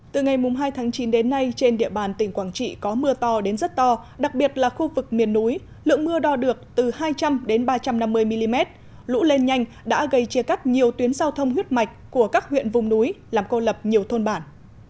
từ ngày hai tháng chín đến nay trên địa bàn tỉnh quảng trị có mưa to đến rất to đặc biệt là khu vực miền núi lượng mưa đo được từ hai trăm linh đến ba trăm năm mươi mm lũ lên nhanh đã gây chia cắt nhiều tuyến giao thông huyết mạch của các huyện vùng núi làm cô lập nhiều thôn bản